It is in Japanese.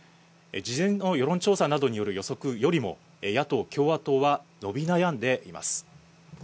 事前の世論調査などによる予測よりも、野党・共和党は伸び悩んでいます。